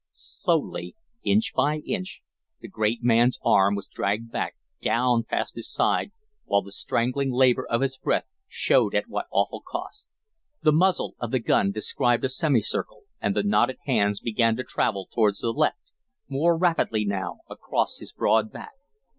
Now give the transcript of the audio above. Slowly, inch by inch, the great man's arm was dragged back, down past his side, while the strangling labor of his breath showed at what awful cost. The muzzle of the gun described a semicircle and the knotted hands began to travel towards the left, more rapidly now, across his broad back.